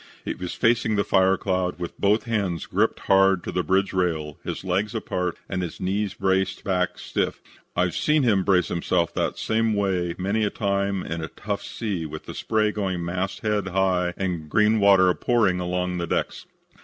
He was facing the fire cloud with both hands gripped hard to the bridge rail, his legs apart and his knees braced back stiff. I've seen him brace himself that same way many a time in a tough sea with the spray going mast head high and green water pouring along the decks.